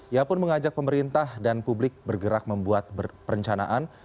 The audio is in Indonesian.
ia pun mengajak pemerintah dan publik bergerak membuat perencanaan